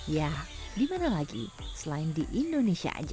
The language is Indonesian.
ya dimana lagi selain di indonesia aja